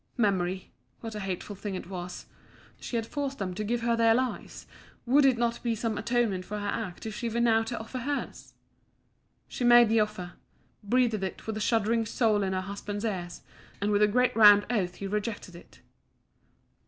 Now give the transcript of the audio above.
Memory what a hateful thing it was! She had forced them to give her their lives; would it not be some atonement for her act if she were now to offer hers? She made the offer breathed it with a shuddering soul into her husband's ears and with a great round oath he rejected it.